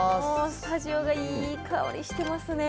スタジオがいい香りしてますね。ね。